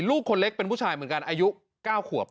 ลูกคนเล็กเป็นผู้ชายเหมือนกันอายุ๙ขวบ